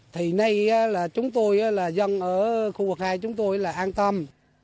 thì nay là chúng tôi là dân ở khu vực hai chúng tôi là an tâm